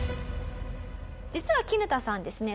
実はキヌタさんですね